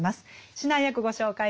指南役ご紹介します。